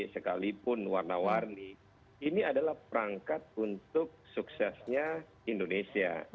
sekalipun warna warni ini adalah perangkat untuk suksesnya indonesia